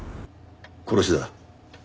殺しだ。